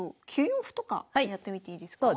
９四歩とかやってみていいですか？